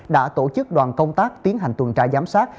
đã tổ chức đoàn công tác tiến hành tuần tra giám sát